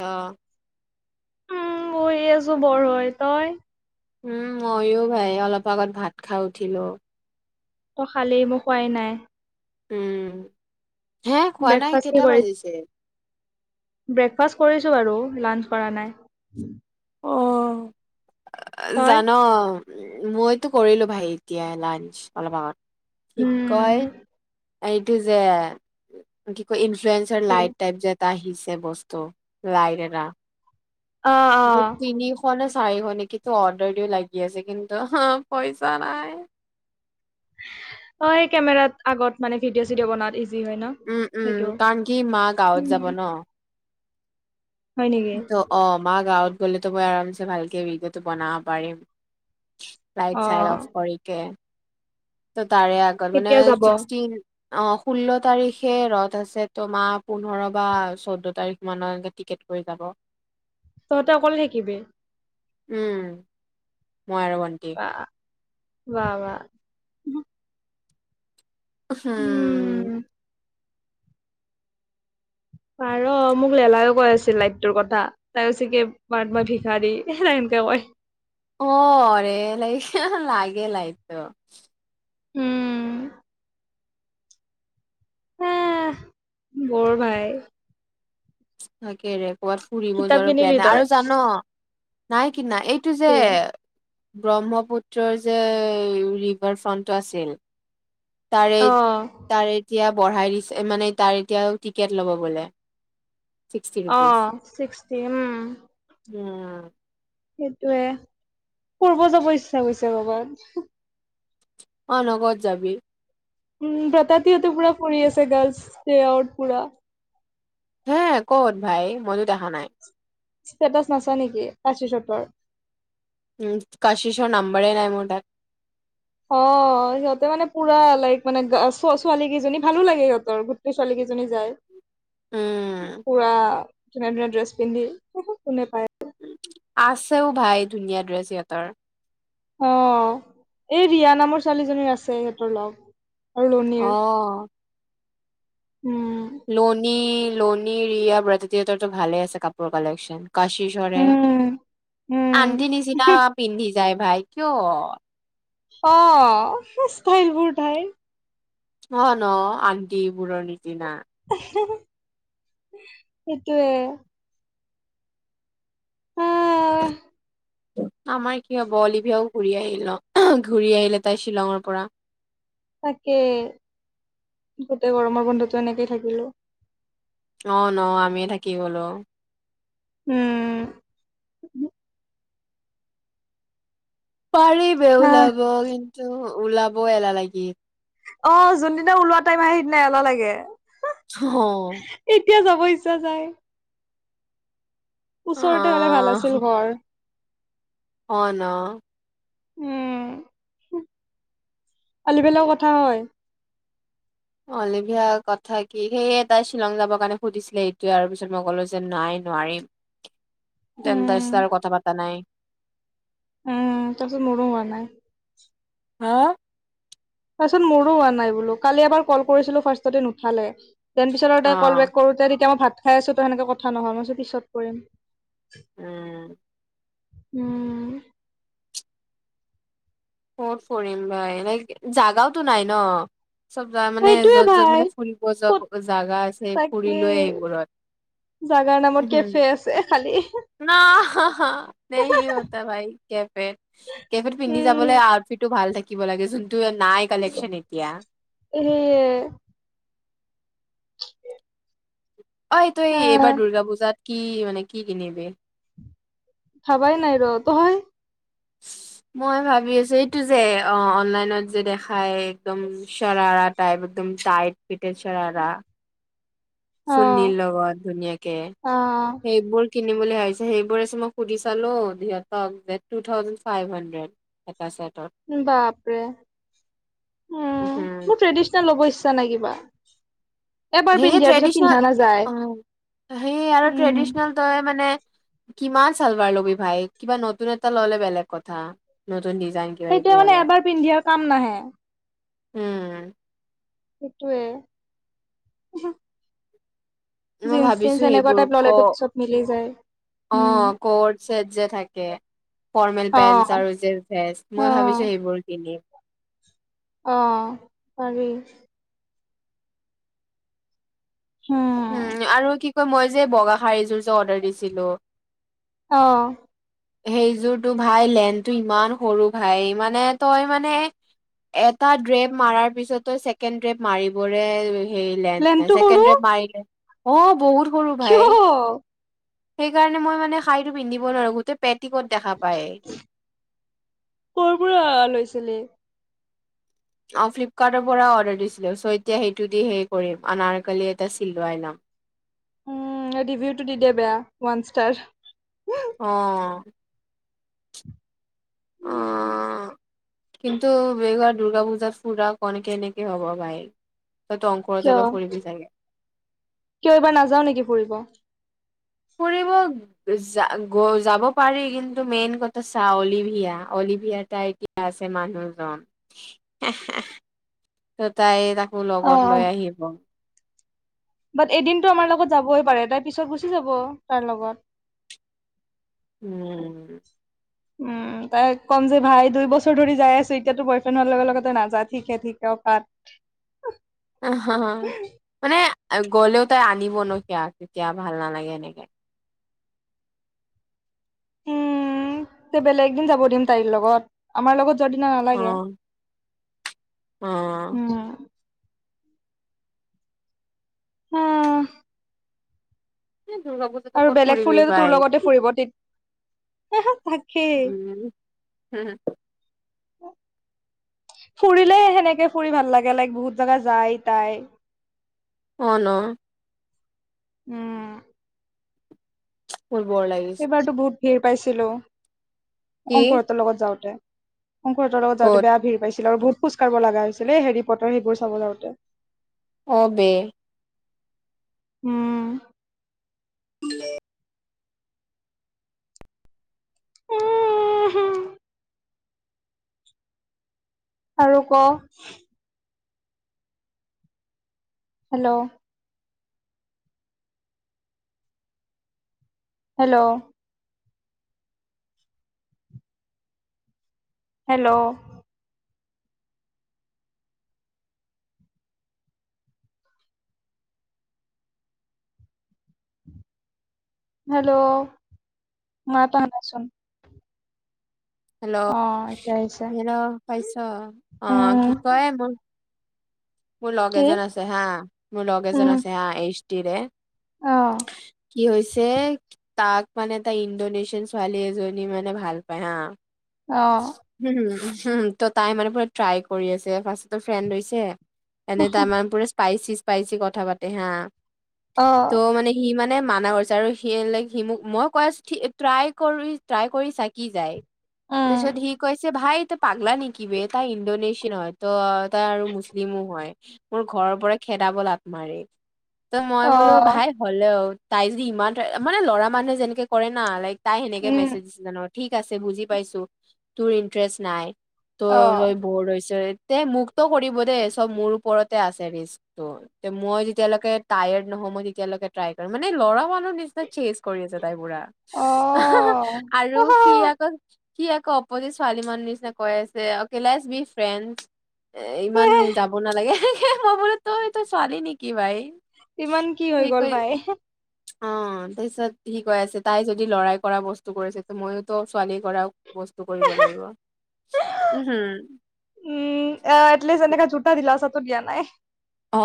অ। উম ই আছো বৰ হয় তই। উম ময়ো ভাই অলপ আগত ভাত খাই উঠিলোঁ। ত খালেই মোক কোৱাই নাই। উম, হে খোৱা নাই ব্ৰেকফাষ্ট কি কেইটা কৰি বাজিছে। ব্ৰেকফাষ্ট কৰিছোঁ বাৰু লাঞ্চ কৰা নাই। অঁ। তই জান মইতো কৰিলো ভাই এতিয়া লাঞ্চ অলপ আগত। কি কয় উম এইটো যে কি কয়। ৰ তাকে। লাইট টাইপ যে ত আহিচে বস্তু, লাইট এটা। অ অ তিনি শ নে চাইিব নেকি তো অৰ্ডাৰ দিও লাগি আছে কিন্তু পইচা নাই। অ স কেমেৰাত আগত মানে ভিডিঅ চিডিঅ' বনাত। য হয় ন উম উম সেইটো। কাৰণ কি মা গাঁৱত যাব ন হয় নেকি ত অমা গাঁৱত গ'লে তো মই আৰমচ ভালকে ভিডিঅটো বনাব পাৰিম। অ ৰাইট চাইড অফ কৰিকে। তাৰে আগত মানে কেতিয়া যাব ছিক্সটিন। অ ষোল্ল তাৰিখে ৰথ আছে তোমাৰ পোন্ধৰ বা চৈধ্য তাৰিখ মানৰ টিকেট। হৈ যাব। তহঁতে অকলে শাকিবি। উম, মই আৰু ভণ্টি। ৱা ৱা। হম। পাৰ মোক ললাইও কৈ আছিল লাইট তৰ কথা তাই চিকে মাৰ মই ভিষা দি স। দেৱাই। অৰে লাই লাগে লাইতো। উম। হ বৰ ভাই তাকেৰে ক'বাত ফুৰিব কিতাপ যোৱাৰ কিনিলি প্লেনাই তই আৰু জান নাই কিনা এইটো যে কি ব্ৰহ্মপুত্ৰৰ যে ৰিভাৰ ফ্ৰণ্টটো আছিল, তাৰে, অ তাৰে এতিয়া বঢ়াই দিছে মানে তাৰ এতিয়াও টিকেট ল'ব বোলে ছিক্সটি অ ৰুপিজ ছিক্সটি উম উম সেইটয়ে ফূৰ্ব যাব ইচ্ছা গৈছে লগবাত। অ নগদ যাবি। উ ব্ৰতাতিহঁতে পুৰা ফৰি আছে গাৰ্ল প্লেয়াআউট পুৰা। হে ক'ত ভাই মজুত দেখা নাই? ষ্টেটাছ নাচা নেকি কাশী চত্বৰ। উ কাশিছৰ নাম্বাৰেই নাই মোৰ তাত। অ অ সিহঁতে মানে পুৰা লাইক মানে ছোৱালী কেইজনী ভালো লাগে সিহঁতৰ গোটেই ছোৱালী কেইজনী যায়। উম, পুৰা ধুনীয়া ধুনীয়া ড্ৰেছ পিন্ধি কোনে পায়। আছেও ভাই ধুনীয়া ড্ৰেছ সিহঁতৰ। অ এই ৰিয়া নামৰ ছোৱালীজনীৰ আছে সিহঁতৰ লগ। আৰু লনিৰ আহ উম লণী, লোনী ৰিয়া বেতো ভালে আছে কাপোৰ কালেকচন। কাশী চ্বৰে উম উম আন্ট নিচিনা পিন্ধিছে যাই ভাই কিয়? অ সঠাইলবোৰ ঠাইৰ। অ ন আনটি বোৰ নিচিনা। সেইটোৱে। আহ অ আমাৰ কি হ'ব অলিভিয়াও ঘূৰি আহিল ঘূৰি আহিলে তাই শ্বিলঙৰ পৰা। তাকেই গোটেই গৰমৰ বন্ধতো এনেকেই থাকিলো। অ ন আমি থাকি গলো। উম পাৰিবে আহ ওলাব কিন্তু ওলাব এলা লাগি। অ যোনদিনা ওলোৱা টাইম আহে সেইদিনাাই এলাহ লাগে। অহ এতিয়া যাব ইচ্ছা যায় ওচৰতে হলে ভাল আছিল ঘৰ। অ'ন? উম আল পেলাও কথা হয়। অলিভিয়া কথা কি সেইয়ে তাই শ্বিলং যাবৰ কাৰণে সুধিছিলে এইটোৱে আৰু পিছত মই ক'লো যে নাইন নোৱাৰিম তেন্ত উম চাৰ কথা পতা নাই। উম, তাৰপিছত মোৰো হোৱা নাই। হা তাৰপিছত মোৰো হোৱা নাই বোলো কালি এবাৰ কল কৰিছিলো ফাৰ্ষ্টতে নুঠালে। তেন পিছত আৰু তই কল অ', বেক কৰোতে তেতিয়া মই ভাত খাই আছো তো সেনেকে কথা নহয় মই পিছত কৰিম। উম উম কত ফৰিম বা এনে জাগাওতো নাই ন। চব জা মানে সেইটোয়ে য'ত - য'ত মানে ভাই ফুৰিব ক'ত যব জাগা আছে তাকে ফুৰিলোৱেই এইবোৰত। জাগাৰ নামত কেফে আছে খালি। নহ হা- হা। নে সিহতে ভাই কেফেত কেফেত পিন্ধি যাবলৈ উম আউটফিটটো ভাল থাক কিব লাগে যোনটো নাই কালেকচন এতিয়া। উম অ, তই আহ এইবাৰ দুৰ্গা পূজাত কি মানে কি কিনিবি? ভাবাই নাই ৰ তই? মই ভাবি আছো এইটো যে অ, অনলাইনত যে দেখাই একদম চাৰৰা টাইপ। একদম চাইট ফিটে চাৰাৰা। অ চুৰ্নী লগত ধুনীয়াকে অ সেইবোৰ কিনি ভাবিছো সেইবোৰ মই সুধি চালো সিহতক তো থাউজেণ্ড ফাইব হন্দ্ৰেদ। বাপৰে। উম, উম, মোৰ ট্ৰেডিচনেল ল'ব ইচ্ছা নাই কিবা। এবাৰ সেয়ে পিন্ধি দিয়াৰ পিছত ট্ৰেডিচনেল পিন্ধা নাযায় অ, সেয়ে আৰু উম ট্ৰেডিচনেল তই মানে কিমান সালৱাৰ ল'বি ভাই কিবা নতুন এটা ললে বেলেগ কথা। ডিজাইন কিবা কিবি সেইটোৱে মানে হ'লে এবাৰ পিন্ধিয় কাম নাহে। উম সেইটোৱে। মই ভাবিছো সেইবোৰ টাইপ ক ললেতো পিছত মিলি যায় অ, উম কট চট যে থাকে ফৰ্মেল অ পেন চাৰ্ট জিন্স যে ড্ৰেছ অ মই ভাবিছো সেইবোৰ কিনিম। অহ, পাৰি। হম উম, আৰু কি কয় মই যে বগা শাৰীযোৰ যে অৰ্ডাৰ দিছিলো। অহ', সেইযোৰতটো ভাই লেনটো ইমান সৰু ভাই মানে তই মানে এটা ড্ৰেপ মাৰাৰ পিছত চছেকেণ্ড ড্ৰেপ মাৰিবৰে হেৰি লাইন প্লেনটো ছেকেণ্ড সৰু ড্ৰেপ মাৰিলে অ, বহুত সৰু ভাই কিয়? সেইকাৰণে মই মানে শৰীৰটো পিন্ধিব নোৱাৰো গোটেই পেটিকোট দেখা পায় কৰ পৰা লৈছিলি? অ, ফ্লিপকাৰ্টৰ পৰা অৰ্ডাৰ দিছিলো চ এতিয়া সেইটো দি সেই কৰিম আনাৰ কালি এটা চিলোৱাই লম। [inaudible] উম, ৰিভিউটো দি দে বেয়া ওৱান ষ্টাৰ। অ', উম, অ', কিন্তু বে দুৰ্গা পূজাত ফুৰা অনেকে এনেকে হব ভাই। তইতো অংকুৰৰ কিয় লগতে ফুৰিবি চাগে। কিয় এইবাৰ নাযাও নেকি ফুৰিব ফুৰিব গ যাব পাৰি কিন্তু মেইন কথা চা অলিভিয়া অলি তটা এতিয়া আছে মানুহজন [unintelligible] ত তাই তাক মোৰ অ লগত লৈ আহিব। বাট এদিনতটো আমাৰ লগত যাবই পাৰে তাই পিছত গুচি যাব তাৰ লগত। উম উম তাইক ক'ম যে ভাই দুই বছৰ ধৰি যাই আছো এতিয়াাতো বয়ফ্ৰেণ্ড হোৱাৰ লগে লগতে নাযায় ঠিক হে ঠিক। পাত অ হা মানে- গ'লেও তাই আনিব ন কিয়া তেতিয়া ভাল নালাগে এনেকে। উম বেলেগ দিন যাব দিম তাইৰ লগত আমাৰ লগত সেইদিনা অ নালাগে অ উম। অহ এ দুৰ্গা পূজাতো আৰু ক'ত বেলেগ ফুৰিবি ফুুৰিলে তোৰ ভাই লগতে ফুৰিব তে হ হা। উম হম ফুৰিলে সেনেকে ফুৰি ভাল লাগে লাইক বহুত জগা যায় তাই। অ ন উম ফবৰ লাগিছে। এইবাৰতো বহুত ভিৰ পাইছিলোঁ কি অংকুৰহঁতৰ লগত যাওঁতে শংকৰহঁতৰ লগত যাওঁতে ক'ত বেয়া ভিৰ পাইছিলোঁ আৰু বহুত খোজকাঢ় লগা হৈছিল এই হেৰি পটৰ সেইবোৰ চাব যাওঁতে- অবে উম হে উ উ হ আৰু ক হেল্ল' হেল্ল' হেল্ল' হেল্ল' মা তাহানচোন হেল্ল' এতিয়া আহিছে হেল্ল' পাইছ অ কি উম কয় মোক মোৰ লগ কি এজন আছে হা মোৰ লগ এজন আছে হা এইচ টি ৰে আহ কি হৈছে তাক মানে তাই ইণ্ডোনেছিয়ান ছোৱালী এজনী মানে ভাল পায় হা- অ হম হ উ ত' তাই মানে পুৰা ট্ৰাই কৰি আছে ফাৰ্ষ্ট ফ্ৰেণ্ড হৈছে এনে তাৰমানে পুৰা স্পাইচি স্পাইচি কথা পাতে হা, অ ত' মানে সি মানে- মানে মানা কৰিছে আৰু সি সি মোক মই কৈ আছো ট্ৰাই কৰি ট্ৰাই কৰি চা কি যায়। তাৰপিছত উম সি কৈছে ভাই পাগ্লা নেকি ব তাই ইণ্ডোনেছিয়ান হয় ত তাই আৰু মুছলিম মোৰ ঘৰৰ পৰা খেদাব লাত মাৰি ত মই অ বোলো ভাই হলেও- তাই যদি ইমান মানে ল'ৰা মানুহে যেনেকে কৰে না লাইক তাই সেনেকে উম মেছেজ দিছে জানো ঠিক আছে বুজি পাইছোঁ তোৰ ইণ্টাৰেষ্ট নাই ত অ বৰ হৈছে। তে মুক্ত কৰিব দে সব মোৰ ওপৰতে আছে মই তিতিয় লৈকে টায়াদ নহয় মই মানে টাই কৰিম মানে- ল'ৰা মানুহ নিচিনা চেজ কৰি আছে তাই পুৰা অ আৰু সি আগত- কি আকৌ অপজিত ছোৱালী মানুহ নিচিনা কৈ আছে বি ফ্ৰেড এ ইমান- হে মই বোৰতো এইটো ছোৱালী নেকি ভাই। ইমান কি হৈ সি গ'ল কৈ ভাই- অ তাৰপিছত সি কৈ আছে তাই যদি লৰাই কৰা বস্তু কৰিছে মইতো ছোৱালী কৰা বস্তু কৰিব লাগিব উম! হোম এটলিছ এনে জুটা দি টো দিয়া নাই অ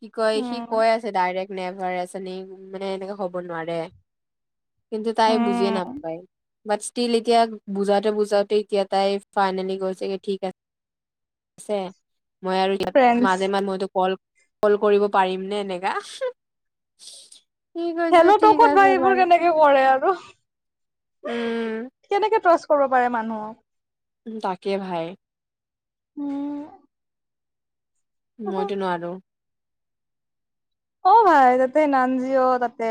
কি কয় সি উম কৈ আছে ডাইৰেক্ট নেভাৰ আছে নি মানে এনেকা হ'ব নোৱাৰে। কিন্তু তাই বুজিয়ে উম নাপায় বাট ষ্টীল এতিয়া বুজাওতে বুজাওতে এতিয়া তাই ফাইনেলি গৈছেগে ঠিক আছে। আছে মই আৰু ইয়াত ফ্ৰেণ্ডছ মাজে মাজ মইতো কল কল কৰিব পাৰিম নে? এনেকা সি কৈছে খেলতো ঠিক ক'ত বা আছে এইবোৰ ভাই কেনেকে কৰে আৰু। উম কেনেকে ট্ৰচ কৰিব পাৰে মানুহক? তাকে ভাই। উম! উহু। মইতো নোৱাৰো। অ ভাই তাতে নান্জিঅ তাতে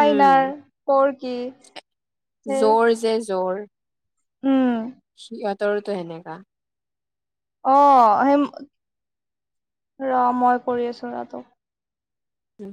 উম প কি জৰ যে জৰ। উম, সিহঁতৰটো সেনেকা। অ সেই ৰ মই কৰি আছো ৰ টোক'। উম।